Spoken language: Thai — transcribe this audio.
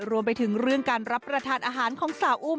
รวมไปถึงเรื่องการรับประทานอาหารของสาวอุ้ม